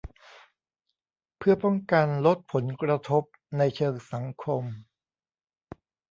เพื่อป้องกันลดผลกระทบในเชิงสังคม